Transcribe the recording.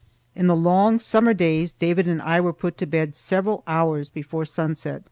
In the long summer days David and I were put to bed several hours before sunset.